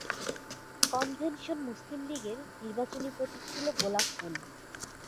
Convention Muslim লীগের নির্বাচনী প্রতীক ছিল গোলাপ ফুল।